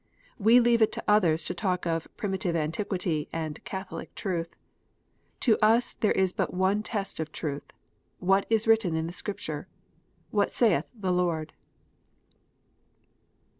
We leave it to others to talk of "primitive antiquity " and "Catholic truth." To us there is but one test of truth :" What is written in the Scripture 1 What saith the Lord?"